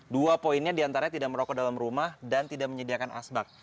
dua poinnya diantaranya tidak merokok dalam rumah dan tidak menyediakan asbak